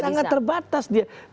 sangat terbatas dia